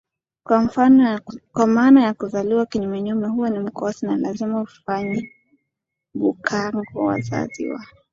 kwa maana ya kuzaliwa kinyumenyume huo ni mkosi na lazima ufanye bhukangoWazazi wa